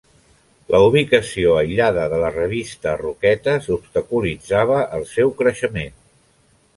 La ubicació aïllada de la revista a Roquetes obstaculitzava el seu creixement.